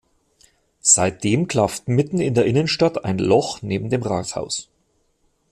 Seitdem klafft mitten in der Innenstadt ein Loch neben dem Rathaus.